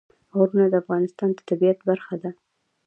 غرونه د افغانستان د طبیعت برخه ده.